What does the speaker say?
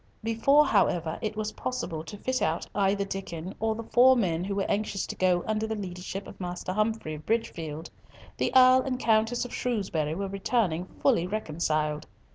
Before, however, it was possible to fit out either Diccon or the four men who were anxious to go under the leadership of Master Humfrey of Bridgefield, the Earl and Countess of Shrewsbury were returning fully reconciled.